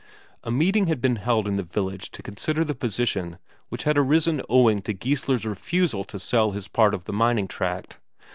A meeting had been held in the village to consider the position which had arisen owing to Geissler's refusal to sell his part of the mining tract.